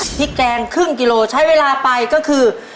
พริกแกงครึ่งกิโลใช้เวลาไปก็คือ